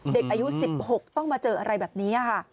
เด็กอายุ๑๖ต้องมาเจออะไรแบบนี้ค่ะ